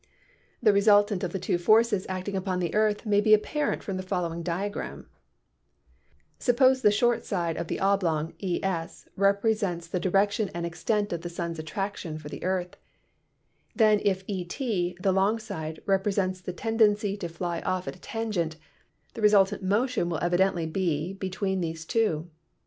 The resultant of the two forces acting upon the earth may be apparent from the following dia gram: S r< jE Suppose the short side of the oblong, ES, represents the direction and extent of the sun's attraction for the earth ; then if ET, the long side, represents the tendency to fly off at a tangent, the resultant motion will evidently be between these two.